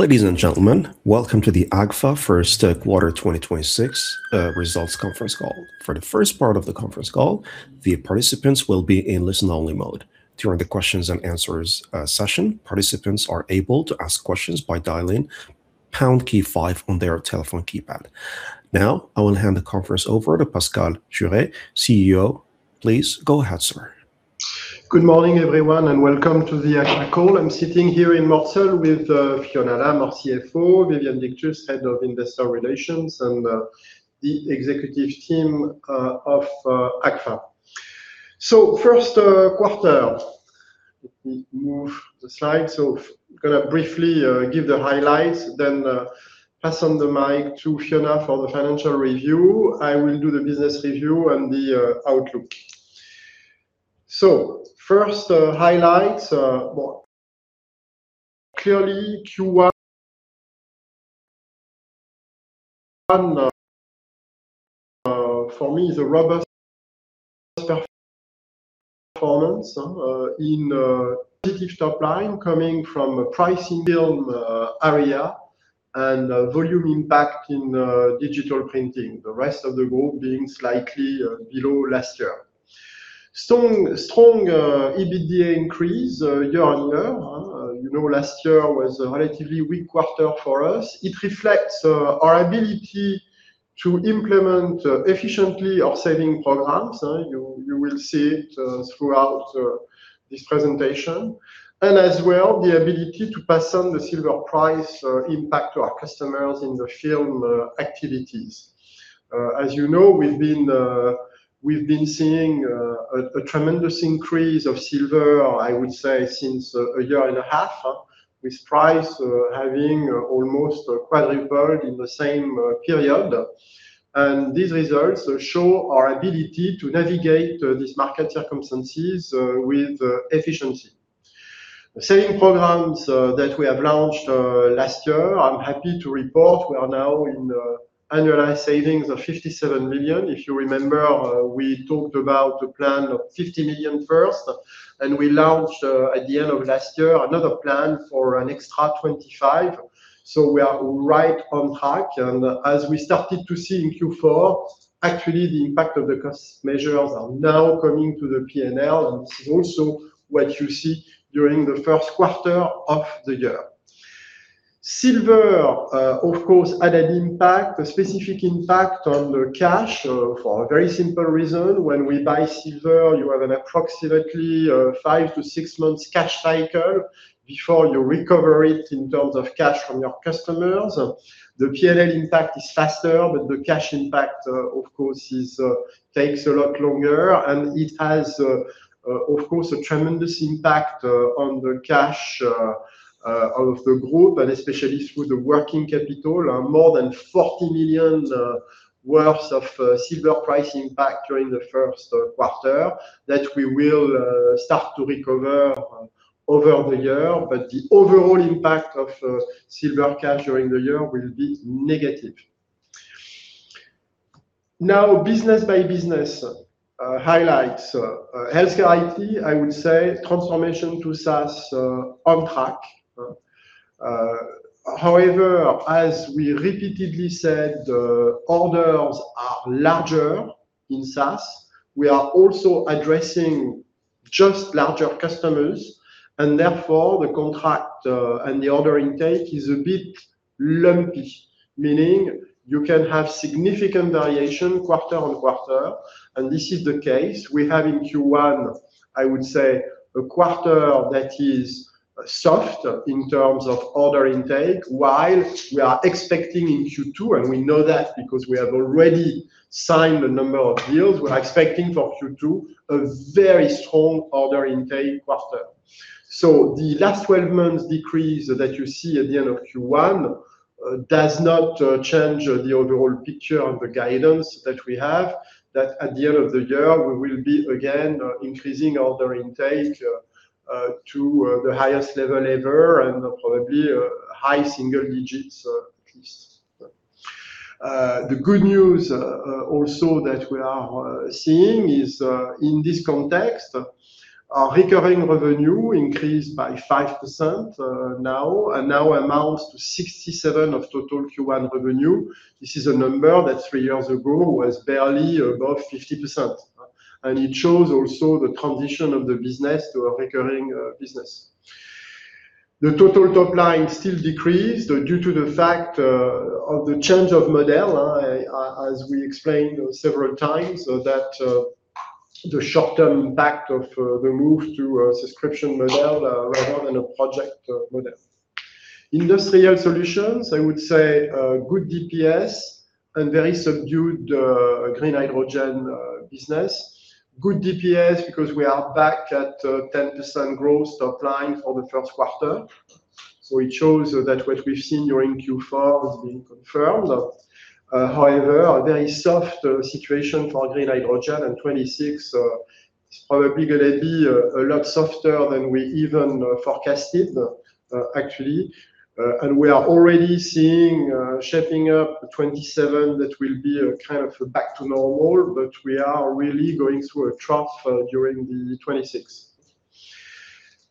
Ladies and gentlemen, welcome to the Agfa first quarter 2026 results conference call. For the first part of the conference call, the participants will be in listen only mode. During the questions and answers session, participants are able to ask questions by dialing pound key 5 on their telephone keypad. Now, I will hand the conference over to Pascal Juéry, Chief Executive Officer. Please go ahead, sir. Good morning, everyone, and welcome to the Agfa call. I'm sitting here in Mortsel with Fiona Lam, our Chief Financial Officer, Viviane Dictus, Head of Investor Relations, and the Executive Team of Agfa. First quarter. Let me move the slide. Gonna briefly give the highlights, then pass on the mic to Fiona for the financial review. I will do the business review and the outlook. First highlights. Well, clearly Q1 for me is a robust performance in positive top line coming from a price in film area and volume impact in digital printing. The rest of the group being slightly below last year. Strong EBITDA increase year-on-year. You know, last year was a relatively weak quarter for us. It reflects our ability to implement efficiently our saving programs, you will see it throughout this presentation. As well, the ability to pass on the silver price impact to our customers in the film activities. As you know, we've been seeing a tremendous increase of silver, I would say since a year and a half, with price having almost quadrupled in the same period. These results show our ability to navigate these market circumstances with efficiency. Saving programs that we have launched last year, I'm happy to report we are now in annualized savings of 57 million. If you remember, we talked about a plan of 50 million first, we launched at the end of last year, another plan for an extra 25 million. We are right on track. As we started to see in Q4, actually the impact of the cost measures are now coming to the P&L, and this is also what you see during the first quarter of the year. Silver, of course, had an impact, a specific impact on the cash, for a very simple reason. When we buy silver, you have an approximately five to six months cash cycle before you recover it in terms of cash from your customers. The P&L impact is faster, but the cash impact, of course is, takes a lot longer, and it has, of course, a tremendous impact on the cash of the group, and especially through the working capital. More than 40 million worth of silver price impact during the first quarter that we will start to recover over the year. The overall impact of silver cash during the year will be negative. Business by business highlights. Healthcare IT, I would say transformation to SaaS on track. As we repeatedly said, orders are larger in SaaS. We are also addressing just larger customers, and therefore the contract and the order intake is a bit lumpy. Meaning you can have significant variation quarter-on-quarter, and this is the case. We have in Q1, I would say a quarter that is soft in terms of order intake, while we are expecting in Q2, and we know that because we have already signed a number of deals, we're expecting for Q2 a very strong order intake quarter. The last 12 months decrease that you see at the end of Q1, does not change the overall picture on the guidance that we have. That at the end of the year, we will be again increasing order intake to the highest level ever and probably high single digits at least. The good news also that we are seeing is in this context, our recurring revenue increased by 5% now. Now amounts to 67% of total Q1 revenue. This is a number that three years ago was barely above 50%. It shows also the transition of the business to a recurring business. The total top line still decreased due to the fact of the change of model. As we explained several times that the short-term impact of the move to a subscription model rather than a project model. Industrial solutions, I would say, good DPS and very subdued green hydrogen business. Good DPS because we are back at 10% growth top line for the first quarter. It shows that what we've seen during Q4 has been confirmed. However, a very soft situation for green hydrogen in 2026. It's probably gonna be a lot softer than we even forecasted, actually. We are already seeing shaping up 2027 that will be a kind of back to normal, but we are really going through a trough during the 2026.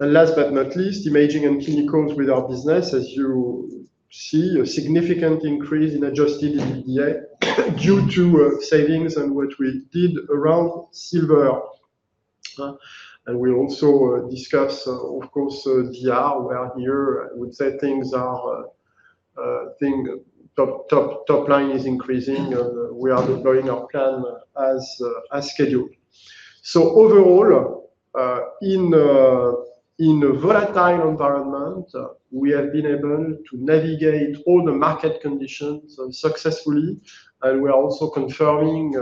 Last but not least, Imaging and Chemicals with our business, as you see, a significant increase in adjusted EBITDA due to savings and what we did around silver. We also discuss, of course, DR where here I would say things are top line is increasing. We are deploying our plan as scheduled. Overall, in a volatile environment, we have been able to navigate all the market conditions successfully. We are also confirming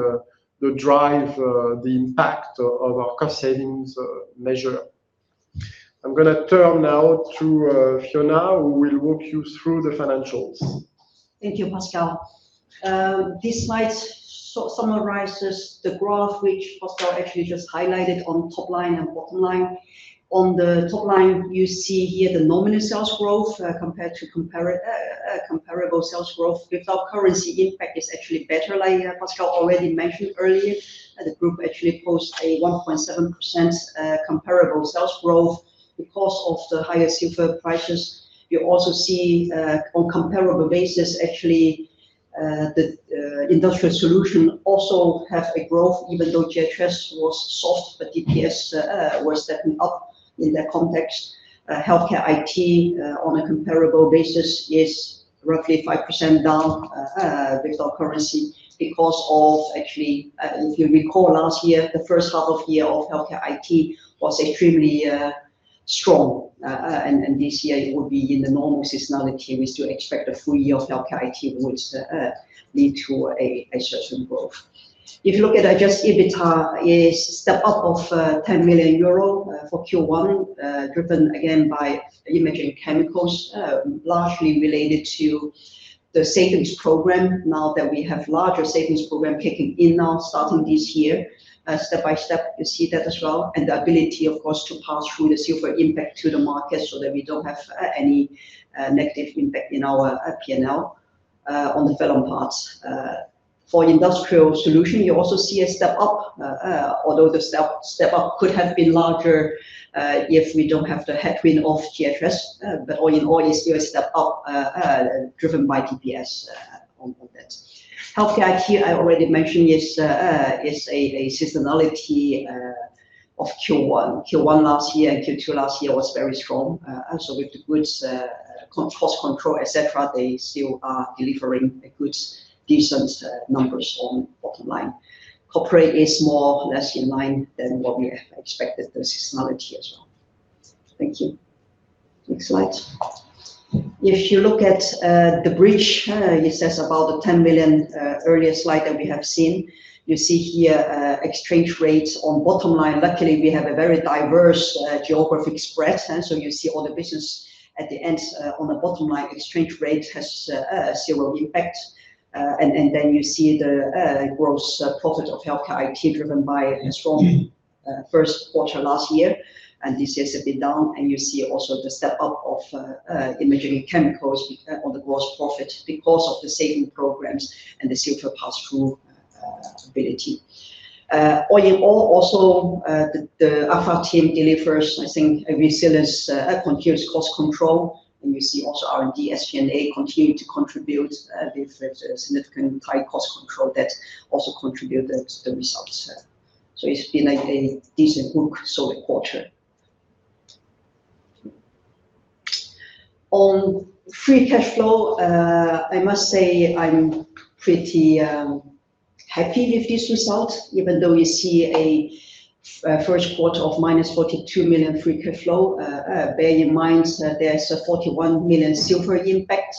the drive, the impact of our cost savings measure. I'm gonna turn now to Fiona, who will walk you through the financials. Thank you, Pascal. This slide summarizes the graph which Pascal actually just highlighted on top line and bottom line. On the top line, you see here the nominal sales growth, compared to comparable sales growth without currency impact is actually better like Pascal already mentioned earlier. The group actually posts a 1.7% comparable sales growth because of the higher silver prices. You also see, on comparable basis actually, the industrial solution also have a growth even though GHS was soft, but DPS was stepping up in that context. HealthCare IT, on a comparable basis is roughly 5% down without currency because of actually, if you recall last year, the first half of year of HealthCare IT was extremely strong. This year it would be in the normal seasonality. We still expect a full year of HealthCare IT, which lead to a certain growth. If you look at adjusted EBITDA is step up of 10 million euro for Q1, driven again by imaging chemicals, largely related to the savings program now that we have larger savings program kicking in now, starting this year. Step by step, you see that as well, and the ability of course to pass through the silver impact to the market so that we don't have any negative impact in our P&L on the relevant parts. For industrial solution, you also see a step up, although the step up could have been larger, if we don't have the headwind of GHS, but all in all it's still a step up, driven by DPS on that. Agfa HealthCare, I already mentioned is a seasonality of Q1. Q1 last year and Q2 last year was very strong. Also with the goods, cost control, et cetera, they still are delivering a good decent numbers on bottom line. Corporate is more or less in line than what we have expected the seasonality as well. Thank you. Next slide. If you look at the bridge, it says about the 10 million earlier slide that we have seen. You see here exchange rates on bottom line. Luckily, we have a very diverse geographic spread, you see all the business at the end, on the bottom line, exchange rate has zero impact. Then you see the gross profit of healthcare IT driven by a strong first quarter last year, and this year has been down. You see also the step up of imaging chemicals on the gross profit because of the saving programs and the silver pass-through ability. All in all also, the Agfa team delivers, I think, a resilience, continuous cost control. You see also R&D, SG&A continue to contribute with a significant high cost control that also contributed the results. It's been a decent work solid quarter. On free cash flow, I must say I'm pretty happy with this result even though you see a first quarter of -42 million free cash flow. Bear in mind that there's a 41 million ZIRFON impact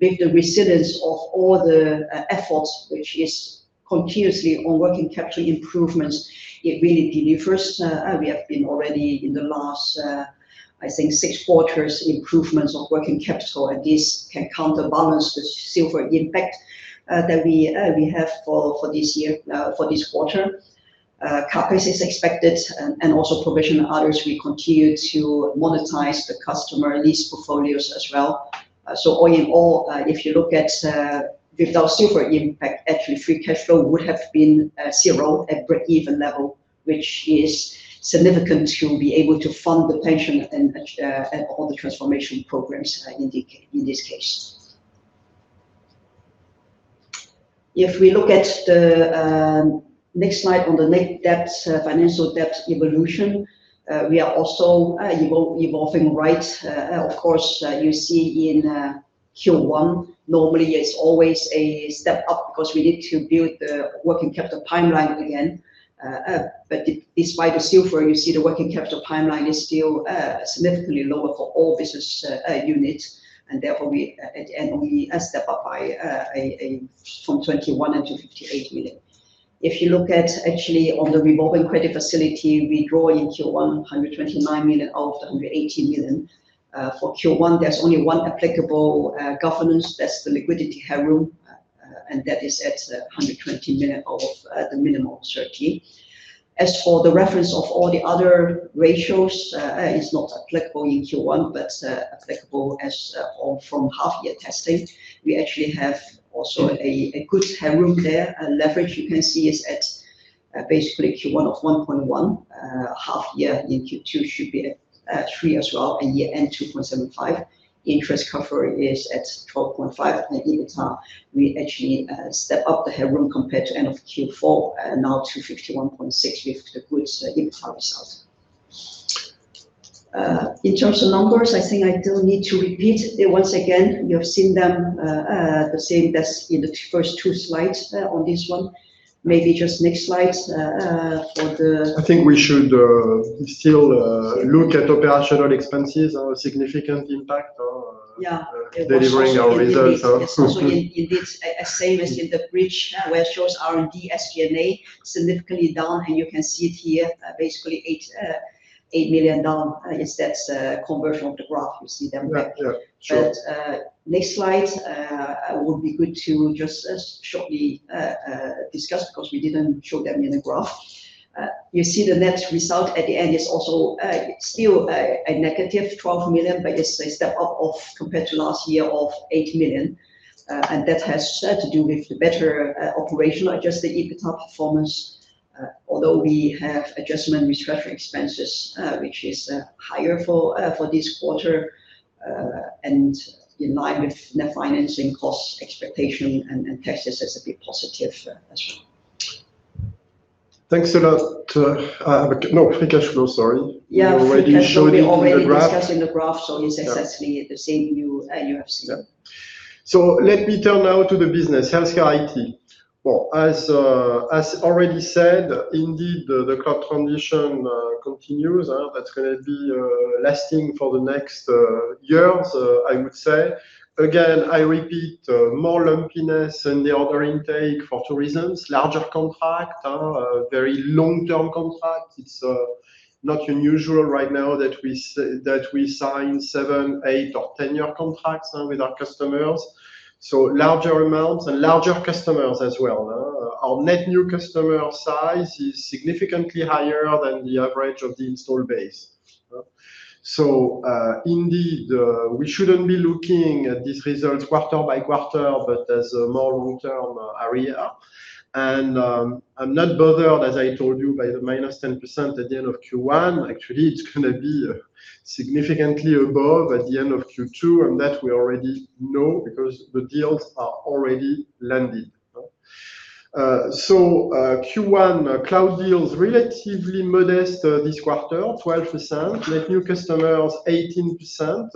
with the resilience of all the efforts which is continuously on working capital improvements. It really delivers. We have been already in the last, I think six quarters improvements of working capital, and this can counterbalance the ZIRFON impact that we have for this year, for this quarter. CapEx is expected and also provision and others, we continue to monetize the customer lease portfolios as well. All in all, if you look at, without ZIRFON impact, actually free cash flow would have been zero at breakeven level, which is significant to be able to fund the pension and all the transformation programs in this case. If we look at the next slide on the net debt, financial debt evolution, we are also evolving right. You see in Q1 normally is always a step up because we need to build the working capital pipeline again. Despite the silver, you see the working capital pipeline is still significantly lower for all business units, and therefore we step up by from 21 into 58 million. If you look at actually on the revolving credit facility, we draw in Q1 129 million of the 180 million. For Q1, there's only one applicable governance, that's the liquidity headroom, that is at the 120 million of the minimum, certainly. As for the reference of all the other ratios, it's not applicable in Q1, but applicable as or from half year testing. We actually have also a good headroom there. Leverage you can see is basically Q1 of 1.1. Half year in Q2 should be at three as well, and year-end 2.75. Interest cover is at 12.5. EBITDA, we actually step up the headroom compared to end of Q4, now to 51.6 with the good EBITDA results. In terms of numbers, I think I don't need to repeat it once again. You have seen them, the same that's in the first two slides on this one. Maybe just next slide. I think we should still look at operational expenses or significant impact. Yeah delivering our results. It's also in this, same as in the bridge, where it shows R&D, SG&A significantly down. You can see it here, basically EUR 8 million down. I guess that's a conversion of the graph. You see them there. Yeah. Yeah. Sure. Next slide would be good to just shortly discuss because we didn't show them in the graph. You see the net result at the end is also still a -12 million, but it's a step up of compared to last year of 8 million. And that has to do with the better operational adjust the EBITDA performance. Although we have adjustment restructuring expenses, which is higher for this quarter. And in line with net financing costs expectation and taxes as a bit positive as well. Thanks a lot. No, free cash flow, sorry. Yeah. You already showed it in the graph. We already discussed in the graph. Yeah. It's exactly the same you have seen. Let me turn now to the business, Agfa HealthCare IT. As already said, indeed the cloud transition continues, that's gonna be lasting for the next years, I would say. Again, I repeat, more lumpiness in the order intake for two reasons: larger contract, very long-term contract. It's not unusual right now that we sign seven, eight or 10-year contracts with our customers, so larger amounts and larger customers as well. Our net new customer size is significantly higher than the average of the installed base. Indeed, we shouldn't be looking at these results quarter by quarter, but as a more long-term area. I'm not bothered, as I told you, by the -10% at the end of Q1. Actually, it's gonna be significantly above at the end of Q2. That we already know because the deals are already landed. Q1 cloud deals relatively modest this quarter, 12%, net new customers 18%.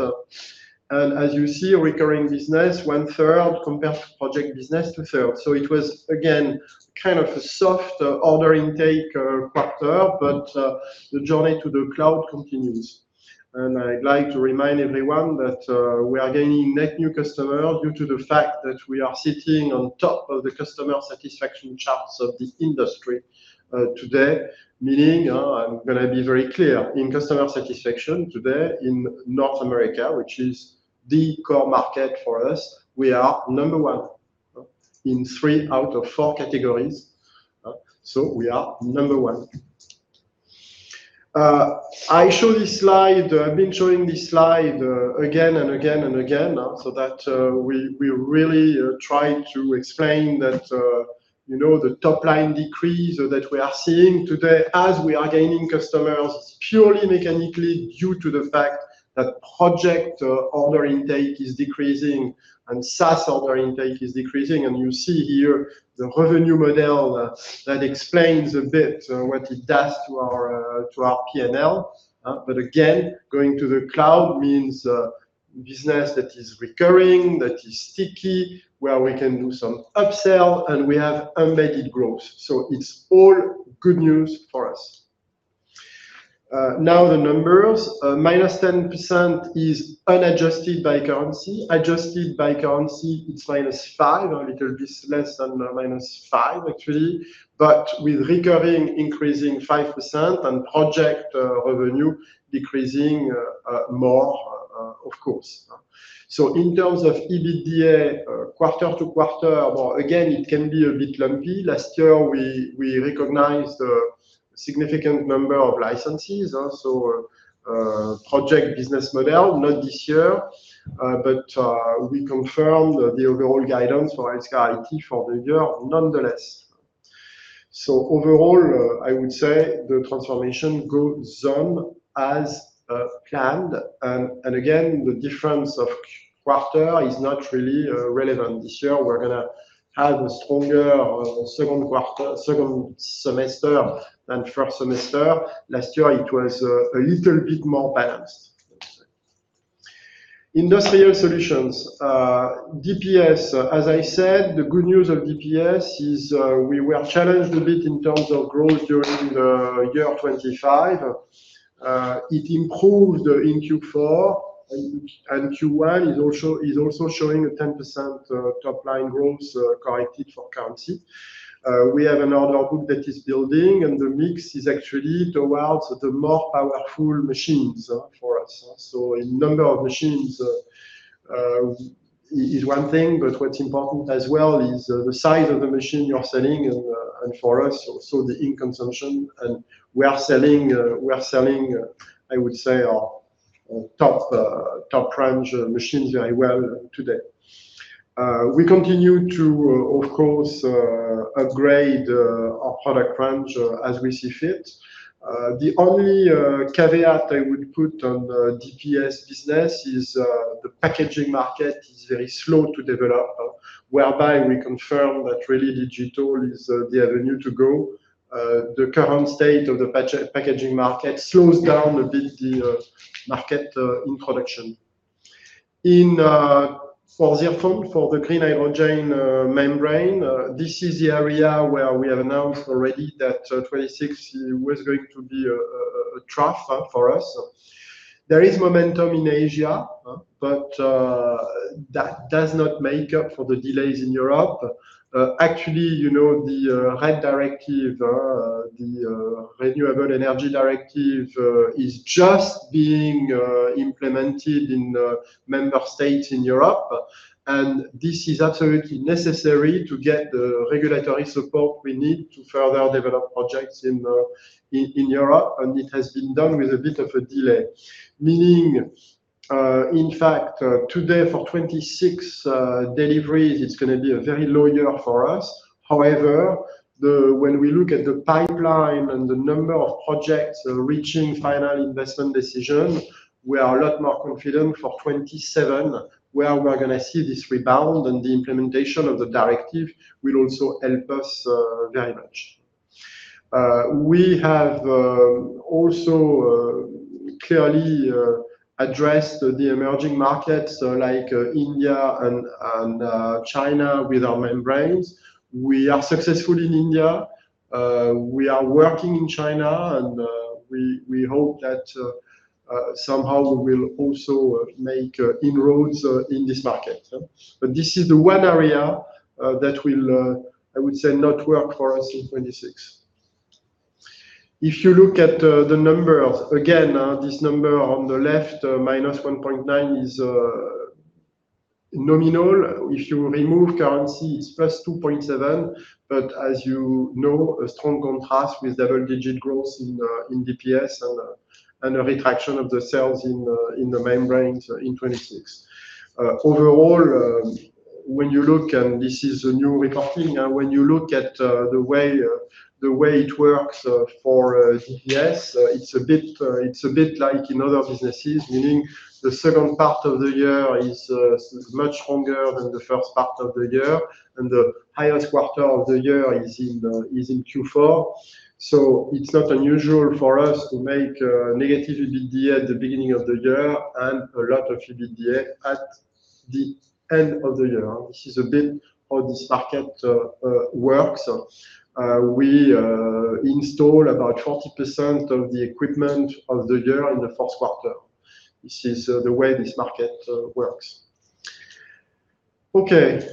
As you see, recurring business 1/3 compared to project business 2/3. It was again kind of a soft order intake quarter, but the journey to the cloud continues. I'd like to remind everyone that we are gaining net new customer due to the fact that we are sitting on top of the customer satisfaction charts of the industry today. Meaning, I'm gonna be very clear, in customer satisfaction today in North America, which is the core market for us, we are number one in threee out of four categories. We are number one. I show this slide. I've been showing this slide, again and again and again, so that we really are trying to explain that, you know, the top line decrease that we are seeing today as we are gaining customers purely mechanically due to the fact that project order intake is decreasing and SaaS order intake is decreasing. You see here the revenue model that explains a bit what it does to our to our P&L. Again, going to the cloud means business that is recurring, that is sticky, where we can do some upsell and we have embedded growth. It's all good news for us. Now the numbers. -10% is unadjusted by currency. Adjusted by currency it's -5, or it will be less than -5 actually. With recurring increasing 5% and project revenue decreasing more, of course. In terms of EBITDA, quarter-to-quarter, well, again it can be a bit lumpy. Last year we recognized a significant number of licenses. Project business model not this year. We confirmed the overall guidance for Agfa HealthCare IT for the year nonetheless. Overall, I would say the transformation goes on as planned. Again, the difference of quarter is not really relevant this year. We're gonna have a stronger second quarter, second semester than first semester. Last year it was a little bit more balanced, let's say. Industrial Solutions. DPS, as I said, the good news of DPS is we were challenged a bit in terms of growth during the year 2025. It improved in Q4, and Q1 is also showing a 10% top line growth corrected for currency. We have an order book that is building, and the mix is actually towards the more powerful machines for us. In number of machines is one thing, but what's important as well is the size of the machine you are selling and for us also the ink consumption. We are selling, I would say, our top range machines very well today. We continue to, of course, upgrade our product range as we see fit. The only caveat I would put on the DPS business is the packaging market is very slow to develop whereby we confirm that really digital is the avenue to go. The current state of the packaging market slows down a bit the market introduction. For ZIRFON for the clean hydrogen membrane this is the area where we have announced already that 2026 was going to be a trough for us. There is momentum in Asia but that does not make up for the delays in Europe. Actually, you know, the RED directive, the Renewable Energy Directive, is just being implemented in the member states in Europe. This is absolutely necessary to get the regulatory support we need to further develop projects in Europe, and it has been done with a bit of a delay. Meaning, in fact, today for 2026 deliveries, it's gonna be a very low year for us. However, when we look at the pipeline and the number of projects reaching final investment decision, we are a lot more confident for 2027, where we are gonna see this rebound. The implementation of the directive will also help us very much. We have also clearly addressed the emerging markets like India and China with our membranes. We are successful in India. We are working in China and we hope that somehow we will also make inroads in this market. This is the one area that will, I would say, not work for us in 2026. If you look at the numbers, again, this number on the left, -1.9 is nominal. If you remove currency, it's +2.7. As you know, a strong contrast with double-digit growth in DPS and a retraction of the sales in ZIRFON membrane in 2026. Overall, when you look, and this is a new reporting, when you look at the way the way it works for DPS, it's a bit, it's a bit like in other businesses, meaning the second part of the year is much stronger than the first part of the year, and the highest quarter of the year is in Q4. It's not unusual for us to make negative EBITDA at the beginning of the year and a lot of EBITDA at the end of the year. This is a bit how this market works. We install about 40% of the equipment of the year in the first quarter. This is the way this market works. Okay.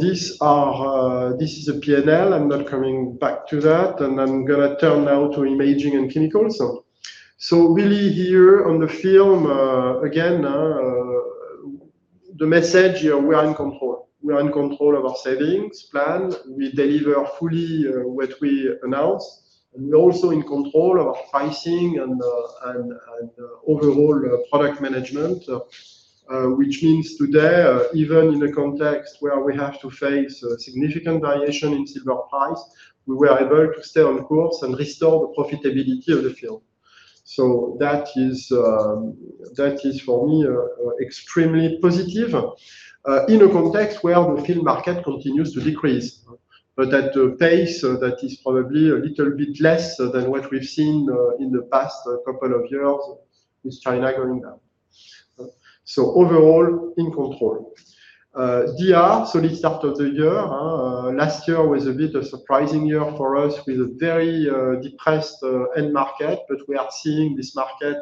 These are, this is a P&L. I'm not coming back to that. I'm gonna turn now to imaging and chemicals. Really here on the film, again, the message, we are in control. We are in control of our savings plan. We deliver fully what we announce. We're also in control of our pricing and overall product management. Which means today, even in a context where we have to face a significant variation in silver price, we were able to stay on course and restore the profitability of the film. That is for me extremely positive in a context where the film market continues to decrease, but at a pace that is probably a little bit less than what we've seen in the past couple of years with China going down. Overall, in control. DR, solid start of the year. Last year was a bit of surprising year for us with a very depressed end market, but we are seeing this market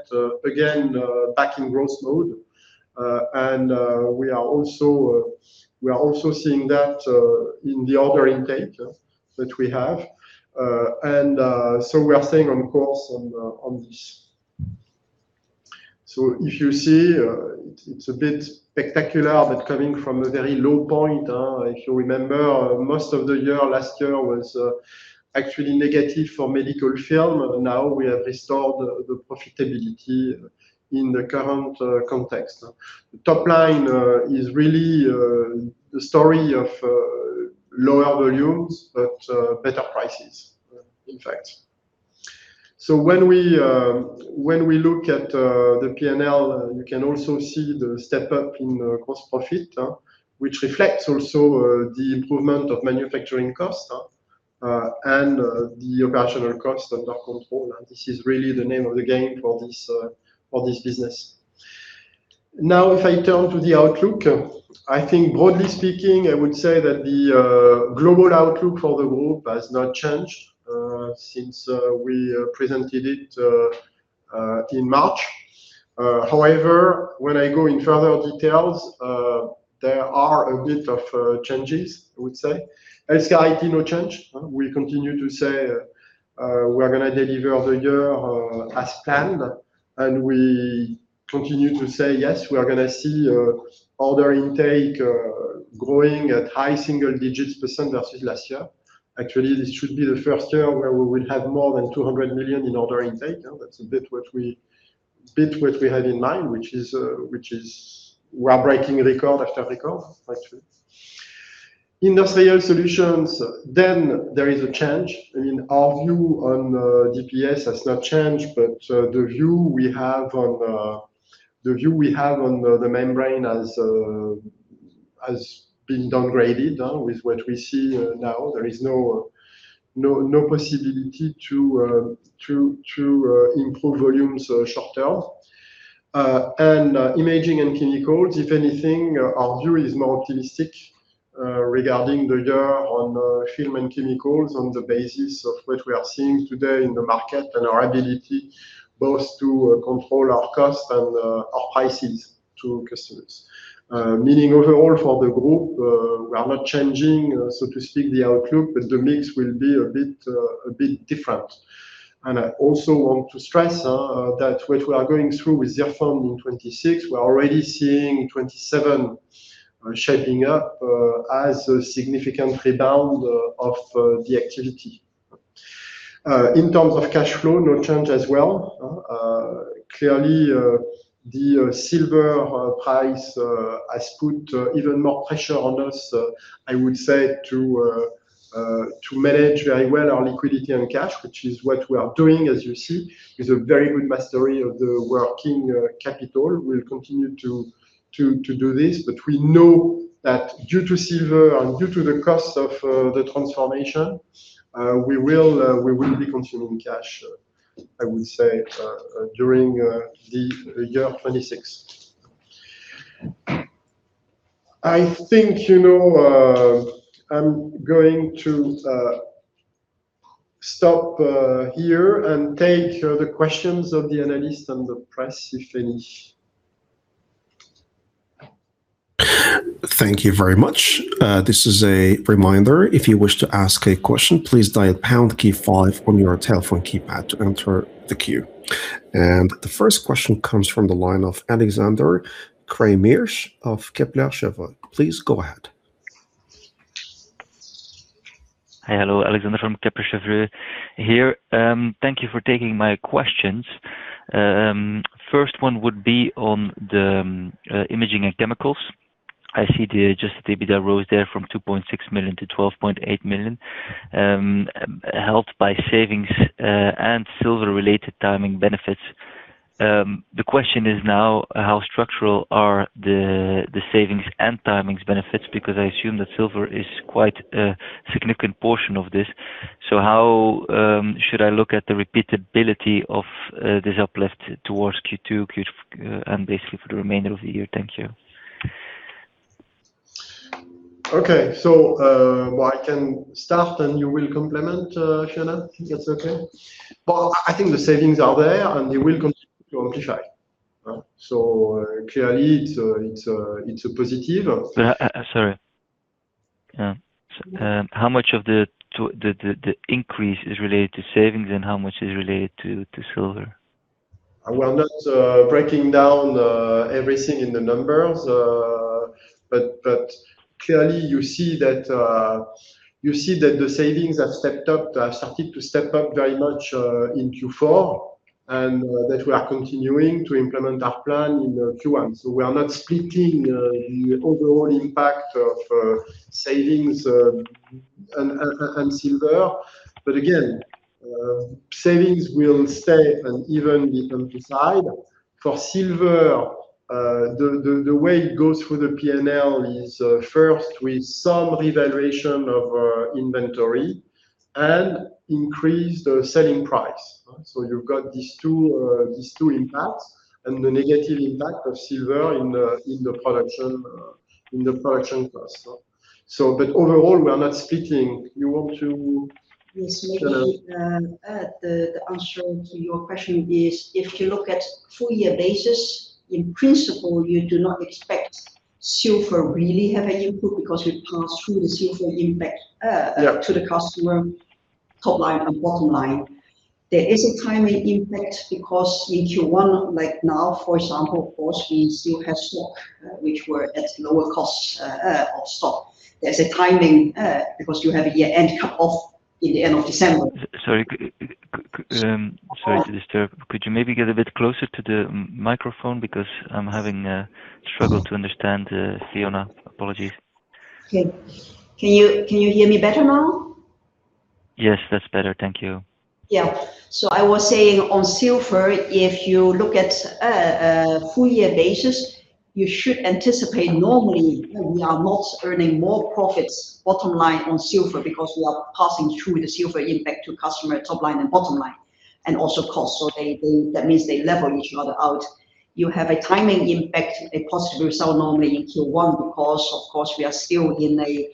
again back in growth mode. We are also seeing that in the order intake that we have. We are staying on course on this. If you see, it's a bit spectacular, but coming from a very low point, if you remember, most of the year last year was actually negative for medical film. Now we have restored the profitability in the current context. Top line is really the story of lower volumes but better prices, in fact. When we look at the P&L, you can also see the step-up in the gross profit, which reflects also the improvement of manufacturing cost and the operational cost under control. This is really the name of the game for this business. If I turn to the outlook, I think broadly speaking, I would say that the global outlook for the group has not changed since we presented it in March. However, when I go in further details, there are a bit of changes, I would say. HIT, no change. We continue to say, we're gonna deliver the year as planned, and we continue to say yes, we are gonna see order intake growing at high single digits percent versus last year. Actually, this should be the first year where we will have more than 200 million in order intake. That's a bit what we have in mind, which is we are breaking record after record actually. Industrial Solutions, there is a change. I mean, our view on DPS has not changed, but the view we have on the membrane has been downgraded with what we see now. There is no possibility to improve volumes short-term. Imaging and chemicals, if anything, our view is more optimistic regarding the year on film and chemicals on the basis of what we are seeing today in the market and our ability both to control our costs and our prices to customers. Meaning overall for the group, we are not changing, so to speak, the outlook, but the mix will be a bit, a bit different. I also want to stress that what we are going through with the year of 2026, we're already seeing 2027 shaping up as a significant rebound of the activity. In terms of cash flow, no change as well. Clearly, the silver price has put even more pressure on us, I would say to manage very well our liquidity and cash, which is what we are doing, as you see. With a very good mastery of the working capital. We'll continue to do this. We know that due to silver and due to the cost of the transformation, we will be consuming cash, I would say, during the year 2026. I think, you know, I'm going to stop here and take the questions of the analysts and the press if any. Thank you very much. This is a reminder. If you wish to ask a question, please dial pound key five on your telephone keypad to enter the queue. The first question comes from the line of Alexander Craeymeersch of Kepler Cheuvreux. Please go ahead. Hi, hello. Alexander from Kepler Cheuvreux here. Thank you for taking my questions. First one would be on the imaging and chemicals. I see the adjusted EBITDA rose there from 2.6 million-12.8 million, helped by savings and silver-related timing benefits. The question is now how structural are the savings and timings benefits? I assume that silver is quite a significant portion of this. How should I look at the repeatability of this uplift towards Q2 and basically for the remainder of the year? Thank you. Okay. Well, I can start, and you will complement Fiona, if that's okay. Well, I think the savings are there, and they will continue to amplify, huh. Clearly it's a positive. Sorry. How much of the increase is related to savings and how much is related to silver? We're not breaking down everything in the numbers. Clearly you see that you see that the savings have stepped up, have started to step up very much in Q4 and that we are continuing to implement our plan in the Q1. We are not splitting the overall impact of savings and silver. Again, savings will stay and even be amplified. For silver, the way it goes through the P&L is first with some revaluation of our inventory and increased selling price. You've got these two impacts and the negative impact of silver in the production cost. Overall, we are not splitting. Yes. Maybe, add the answer to your question is, if you look at full year basis, in principle you do not expect silver really have an impact because we pass through the silver impact. Yeah To the customer top line and bottom line. There is a timing impact because in Q1, like now for example, of course, we still have stock, which were at lower costs of stock. There's a timing because you have a year-end cut-off in the end of December. Sorry, sorry to disturb. Could you maybe get a bit closer to the microphone because I'm having a struggle to understand Fiona. Apologies. Okay. Can you hear me better now? Yes, that's better. Thank you. I was saying on silver, if you look at a full year basis, you should anticipate normally we are not earning more profits bottom line on silver because we are passing through the silver impact to customer top line and bottom line, and also cost. That means they level each other out. You have a timing impact, a possible result normally in Q1 because of course we are still in a,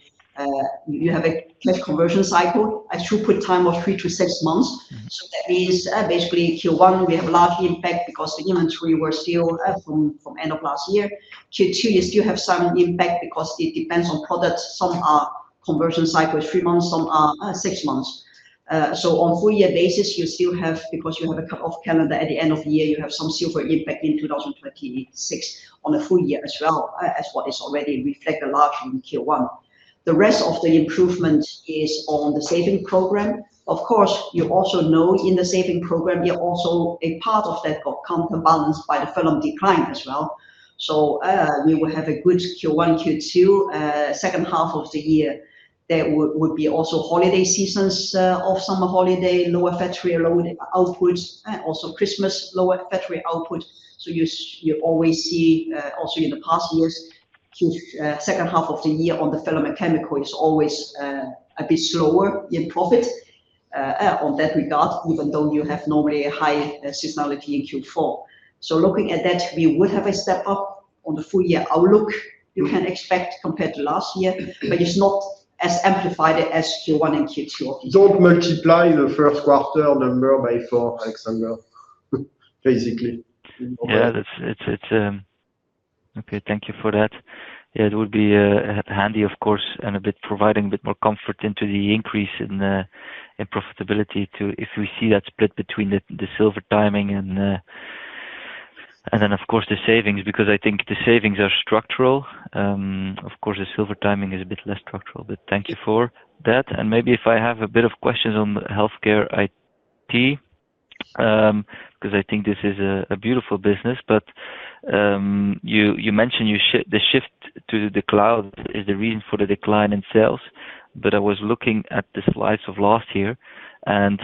you have a lead conversion cycle, a throughput time of three to six months. That means, basically Q1 we have large impact because the inventory were still from end of last year. Q2, you still have some impact because it depends on products. Some are conversion cycle is three months, some are six months. On full year basis you still have, because you have a cut-off calendar at the end of the year, you have some silver impact in 2026 on a full year as well, as what is already reflected largely in Q1. The rest of the improvement is on the saving program. Of course, you also know in the saving program you are also a part of that got counterbalanced by the film decline as well. We will have a good Q1, Q2, second half of the year. There would be also holiday seasons, of summer holiday, lower factory load output, also Christmas, lower factory output. You always see, also in the past years, Q, second half of the year on the film and chemical is always a bit slower in profit. On that regard, even though you have normally a high seasonality in Q4. Looking at that, we would have a step up on the full year outlook you can expect compared to last year, but it's not as amplified as Q1 and Q2 of this year. Don't multiply the first quarter number by four, Alexander, basically. Yeah, that's, it's Okay, thank you for that. It would be handy of course, and providing a bit more comfort into the increase in profitability if we see that split between the silver timing and then of course the savings, because I think the savings are structural. Of course, the silver timing is a bit less structural, but thank you for that. Maybe if I have a bit of questions on Healthcare IT, 'cause I think this is a beautiful business. You mentioned the shift to the cloud is the reason for the decline in sales. I was looking at the slides of last year, and,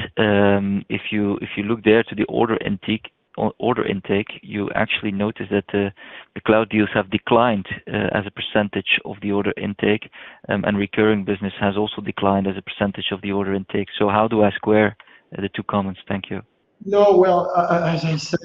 if you look there to the order intake, you actually notice that, the cloud deals have declined, as a % of the order intake, and recurring business has also declined as a % of the order intake. How do I square, the two comments? Thank you. No, well, as I said,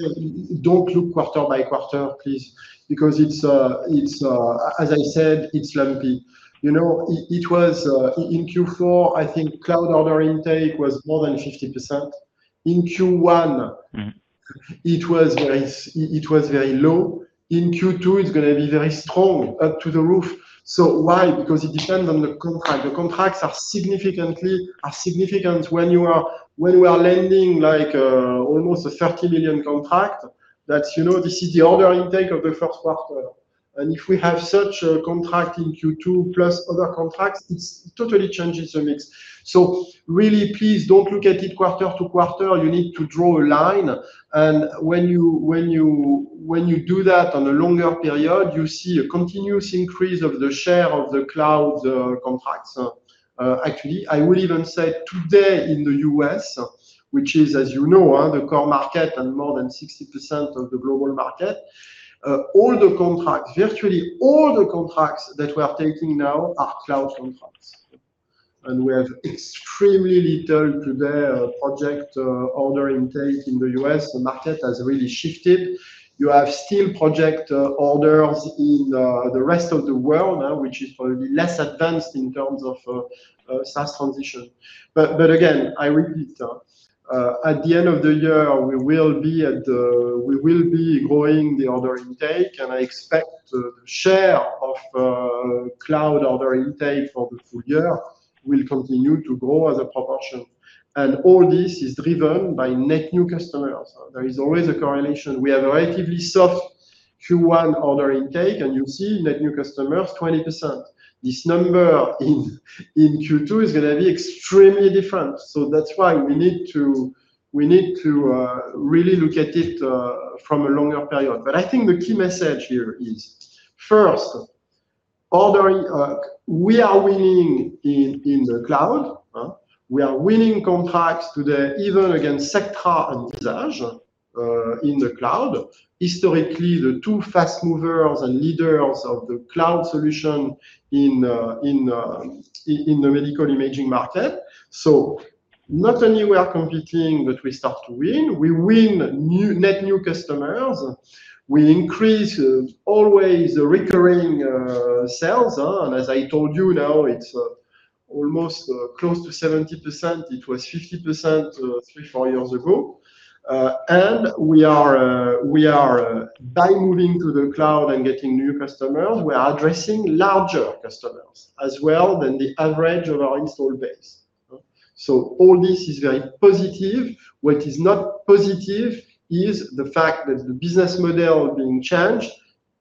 don't look quarter by quarter, please, because it's, as I said, it's lumpy. You know, it was in Q4, I think cloud order intake was more than 50%. In Q1 it was very low. In Q2, it's gonna be very strong, up to the roof. Why? Because it depends on the contract. The contracts are significantly, are significant when you are when we are landing like, almost a 30 million contract that, you know, this is the order intake of the first quarter. If we have such a contract in Q2 plus other contracts, it totally changes the mix. Really please don't look at it quarter to quarter. You need to draw a line, and when you do that on a longer period, you see a continuous increase of the share of the cloud contracts. Actually, I will even say today in the U.S., which is, as you know, the core market and more than 60% of the global market, all the contracts, virtually all the contracts that we are taking now are cloud contracts. We have extremely little today, project order intake in the U.S. The market has really shifted. You have still project orders in the rest of the world, which is probably less advanced in terms of SaaS transition. Again, I repeat, at the end of the year, we will be at, we will be growing the order intake, and I expect the share of cloud order intake for the full year will continue to grow as a proportion. All this is driven by net new customers. There is always a correlation. We have a relatively soft Q1 order intake, and you see net new customers, 20%. This number in Q2 is gonna be extremely different. That's why we need to really look at it from a longer period. I think the key message here is, first, ordering, we are winning in the cloud, huh? We are winning contracts today even against Sectra and Intelerad in the cloud. Historically, the two fast movers and leaders of the cloud solution in the medical imaging market. Not only we are competing, but we start to win. We win new net new customers. We increase always recurring sales, and as I told you now, it's almost close to 70%. It was 50%, three, four years ago. We are by moving to the cloud and getting new customers, we are addressing larger customers as well than the average of our install base. All this is very positive. What is not positive is the fact that the business model being changed,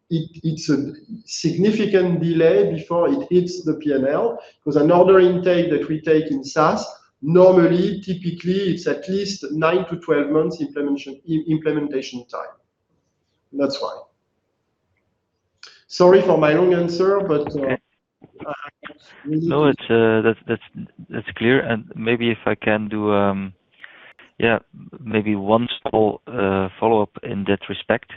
it's a significant delay before it hits the P&L 'cause an order intake that we take in SaaS, normally, typically, it's at least nine to 12 months implementation time. That's why. Sorry for my long answer. Okay. I really think. No, it's, that's clear. Maybe if I can do, maybe one small follow-up in that respect.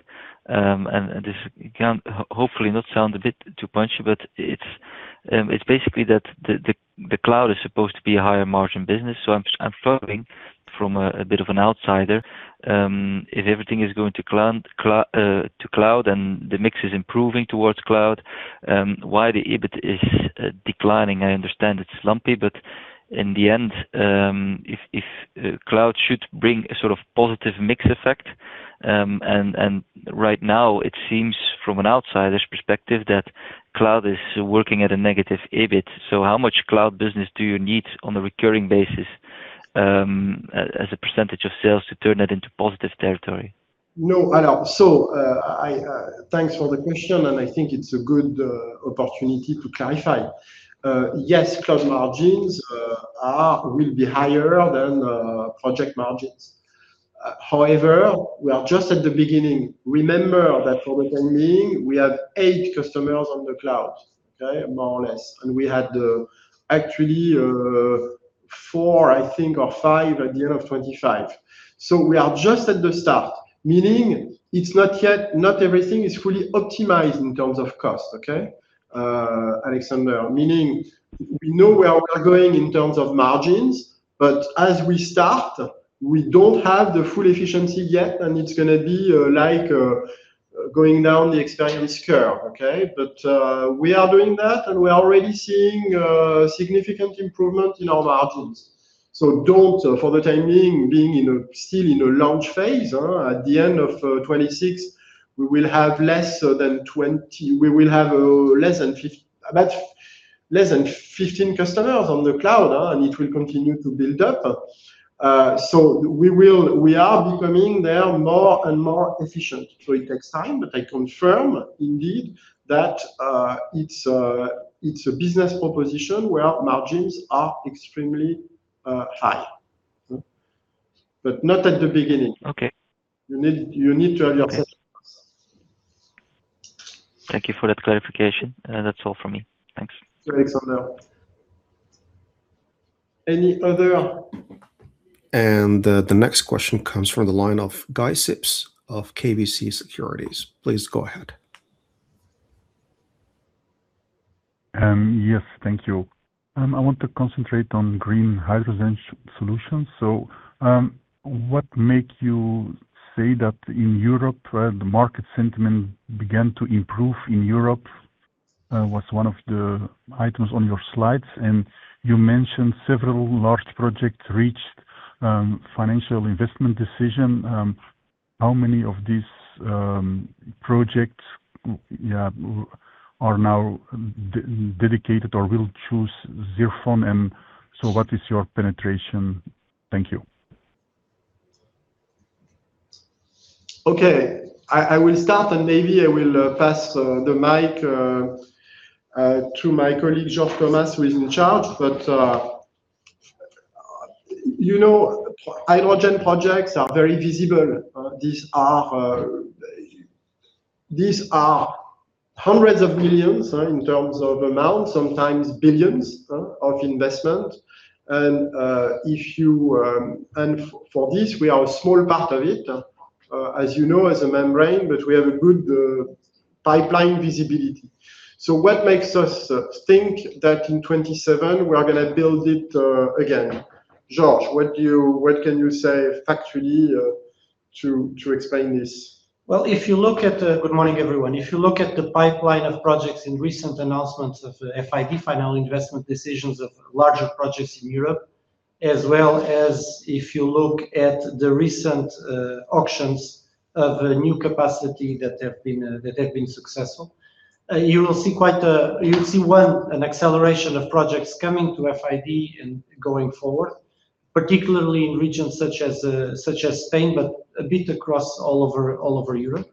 This can hopefully not sound a bit too punchy, but it's basically that the cloud is supposed to be a higher margin business. I'm following from a bit of an outsider, if everything is going to cloud and the mix is improving towards cloud, why the EBITDA is declining? I understand it's lumpy, but in the end, if cloud should bring a sort of positive mix effect, and right now it seems from an outsider's perspective that cloud is working at a negative EBITDA. How much cloud business do you need on a recurring basis, as a percent of sales to turn that into positive territory? No, Alexander. I, thanks for the question, and I think it's a good opportunity to clarify. Yes, cloud margins will be higher than project margins. However, we are just at the beginning. Remember that for the time being, we have eight customers on the cloud, okay. More or less. We had, actually, four, I think, or five at the end of 2025. We are just at the start, meaning not everything is fully optimized in terms of cost, okay, Alexander. Meaning we know where we are going in terms of margins, but as we start, we don't have the full efficiency yet, and it's gonna be, like, going down the experience curve, okay. We are doing that, and we are already seeing significant improvement in our margins. Don't for the time being in a, still in a launch phase, at the end of 2026, we will have less than 15 customers on the cloud, and it will continue to build up. We are becoming there more and more efficient. It takes time, but I confirm indeed that it's a business proposition where margins are extremely high. Not at the beginning. Okay. You need to have your patience. Okay. Thank you for that clarification. That's all from me. Thanks. Thanks, Alexander. Any other? The next question comes from the line of Guy Sips of KBC Securities. Please go ahead. Yes. Thank you. I want to concentrate on Green Hydrogen Solutions. What make you say that in Europe, the market sentiment began to improve in Europe, was one of the items on your slides, and you mentioned several large projects reached financial investment decision. How many of these projects are now dedicated or will choose ZIRFON? What is your penetration? Thank you. Okay. I will start, maybe I will pass the mic to my colleague, Jorge Tomás, who is in charge. You know, hydrogen projects are very visible. These are hundreds of millions in terms of amount, sometimes billions of investment. If you, for this, we are a small part of it, as you know, as a membrane, but we have a good pipeline visibility. What makes us think that in 2027 we are gonna build it again? Jorge, what can you say factually to explain this? Well, good morning, everyone. If you look at the pipeline of projects in recent announcements of FID final investment decisions of larger projects in Europe, as well as if you look at the recent auctions of new capacity that have been successful, you will see quite a, you'll see, one, an acceleration of projects coming to FID and going forward, particularly in regions such as Spain, but a bit across all over Europe.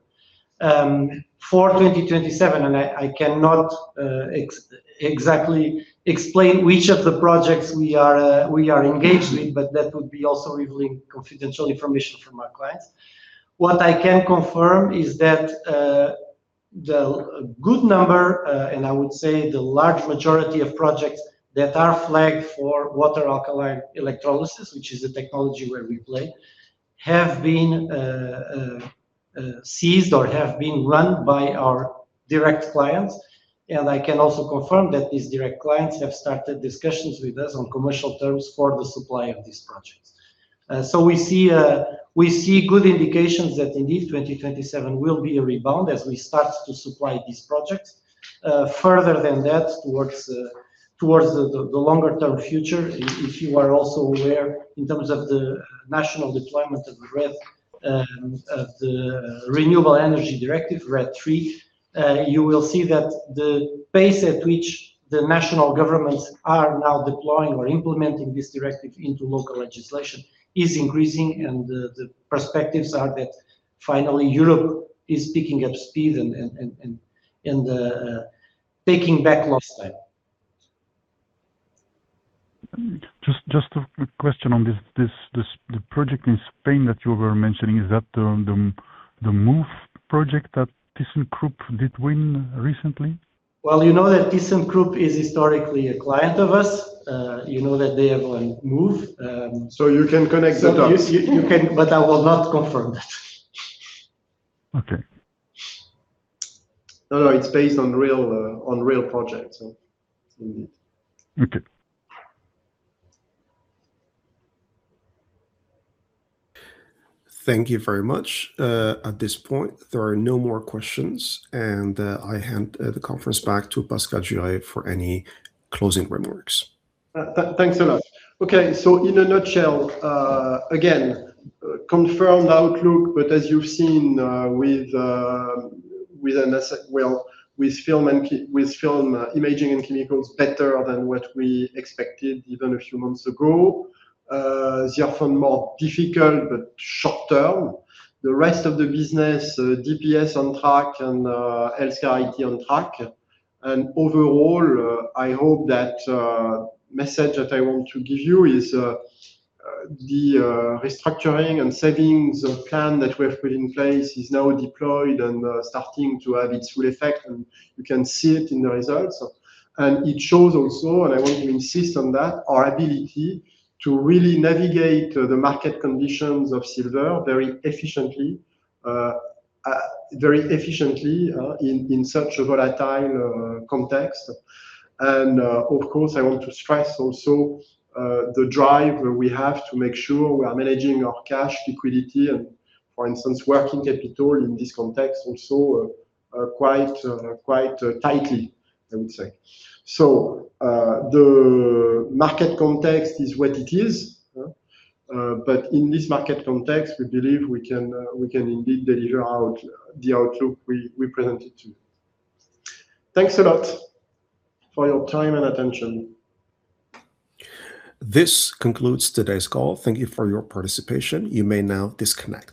For 2027, I cannot exactly explain which of the projects we are engaged with, but that would be also revealing confidential information from our clients. What I can confirm is that, the, good number, and I would say the large majority of projects that are flagged for water alkaline electrolysis, which is the technology where we play, have been, seized or have been won by our direct clients. I can also confirm that these direct clients have started discussions with us on commercial terms for the supply of these projects. We see, we see good indications that indeed 2027 will be a rebound as we start to supply these projects. Further than that, towards the longer-term future, if you are also aware in terms of the national deployment of RED, of the Renewable Energy Directive, RED III, you will see that the pace at which the national governments are now deploying or implementing this directive into local legislation is increasing. The perspectives are that finally Europe is picking up speed and taking back lost time. Just a quick question on this. The project in Spain that you were mentioning, is that the Move project that ThyssenKrupp did win recently? Well, you know that ThyssenKrupp is historically a client of us. You know that they have a Move. You can connect the dots. You can, but I will not confirm that. Okay. No, it's based on real projects. Indeed. Okay. Thank you very much. At this point, there are no more questions, and I hand the conference back to Pascal Juéry for any closing remarks. Thanks a lot. Okay. In a nutshell, again, confirmed outlook, but as you've seen, with an asset, well, with film imaging and chemicals, better than what we expected even a few months ago. ZIRFON more difficult but shorter. The rest of the business, DPS on track and Agfa HealthCare on track. Overall, I hope that message that I want to give you is the restructuring and savings plan that we have put in place is now deployed and starting to have its full effect, and you can see it in the results. It shows also, and I want to insist on that, our ability to really navigate the market conditions of silver very efficiently, in such a volatile context. Of course, I want to stress also the drive we have to make sure we are managing our cash liquidity and, for instance, working capital in this context also quite tightly, I would say. The market context is what it is. In this market context, we believe we can indeed deliver out- the outlook we presented to you. Thanks a lot for your time and attention. This concludes today's call. Thank you for your participation. You may now disconnect.